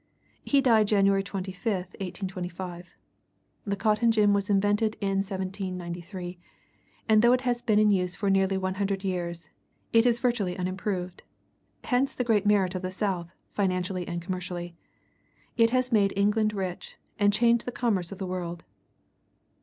He died January 25, 1825. The cotton gin was invented in 1793; and though it has been in use for nearly one hundred years, it is virtually unimproved.... Hence the great merit of the South, financially and commercially. It has made England rich, and changed the commerce of the world.